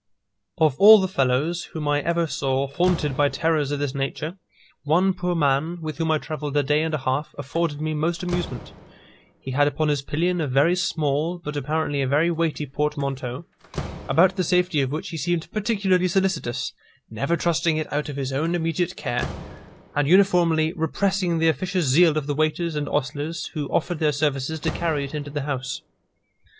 Of all the fellows whom I ever saw haunted by terrors of this nature, one poor man, with whom I travelled a day and a half, afforded me most amusement. He had upon his pillion a very small, but apparently a very weighty portmanteau, about the safety of which he seemed particularly solicitous; never trusting it out of his own immediate care, and uniformly repressing the officious zeal of the waiters and ostlers, who offered their services to carry it into the house.